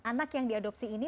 anak yang diadopsi ini